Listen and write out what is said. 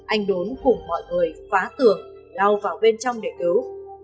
anh đốn cùng mọi người phá tường lau vào bên trong để cứu